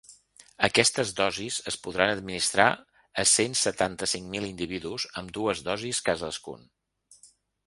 Aquestes dosis es podran administrar a cent setanta-cinc mil individus, amb dues dosis cadascun.